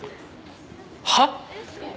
はっ！？